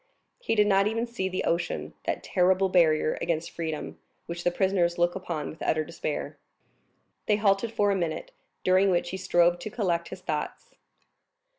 He did not even see the ocean, that terrible barrier against freedom, which the prisoners look upon with utter despair. They halted for a minute, during which he strove to collect his thoughts.